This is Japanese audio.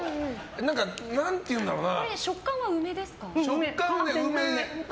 何て言うんだろうな。